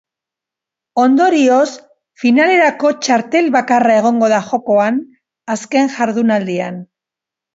Ondorioz, finalerako txartel bakarra egongo da jokoan, azken jardunaldian.